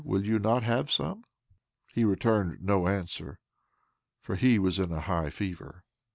Will you not have some?" He returned no answer, for he was in a high fever.